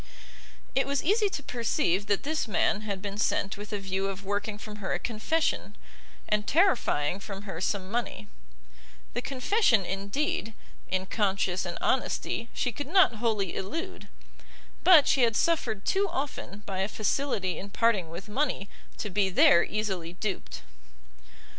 It was easy to perceive that this man had been sent with a view of working from her a confession, and terrifying from her some money; the confession, indeed, in conscience and honesty she could not wholly elude, but she had suffered too often by a facility in parting with money to be there easily duped.